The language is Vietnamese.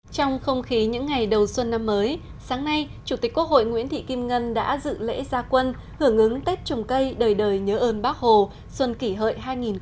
trong không khí những ngày đầu xuân năm mới sáng nay chủ tịch quốc hội nguyễn thị kim ngân đã dự lễ gia quân hưởng ứng tết trồng cây đời đời nhớ ơn bác hồ xuân kỷ hợi hai nghìn một mươi chín